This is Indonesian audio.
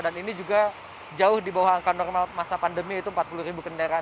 dan ini juga jauh di bawah angka normal masa pandemi itu empat puluh kendaraan